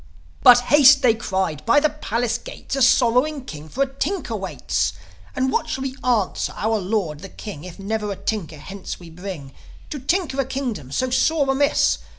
"But haste!" they cried. "By the palace gates A sorrowing king for a tinker waits. And what shall we answer our Lord the King If never a tinker hence we bring, To tinker a kingdom so sore amiss?"